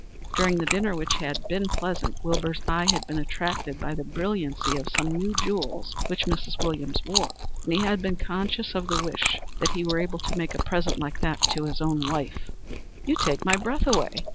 During the dinner, which had been pleasant, Wilbur's eye had been attracted by the brilliancy of some new jewels which Mrs. Williams wore, and he had been conscious of the wish that he were able to make a present like that to his own wife. "You take my breath away.